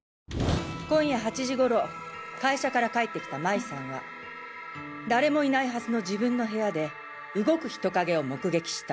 今夜８時頃会社から帰ってきた麻衣さんは誰もいないはずの自分の部屋で動く人影を目撃した。